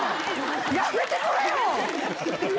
やめてくれよ！